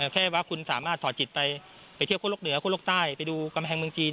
แค่ว่าคุณสามารถต่อจิตไปเผื่อโลกเหนือโลกใต้ไปดูกำแห่งเมืองจีน